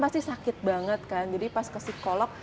pasti sakit banget kan jadi pas ke psikolog